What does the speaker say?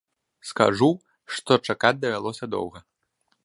Скажу, што чакаць давялося доўга.